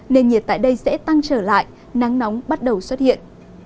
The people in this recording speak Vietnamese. nền nhiệt tại đây sẽ tăng trở lại nắng nóng bắt đầu xuất hiện